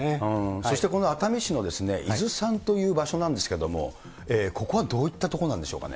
そしてこの熱海市の伊豆山という場所なんですけれども、ここはどういった所なんでしょうかね。